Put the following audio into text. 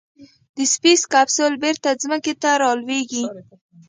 د سپېس کیپسول بېرته ځمکې ته رالوېږي.